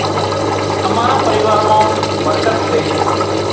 امارا پريوا مان برڪت سي